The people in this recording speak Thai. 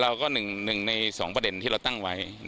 เราก็๑ใน๒ประเด็นที่เราตั้งไว้